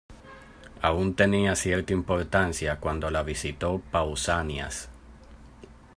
Aún tenía cierta importancia cuando la visitó Pausanias.